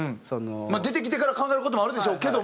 まあ出てきてから考える事もあるでしょうけども。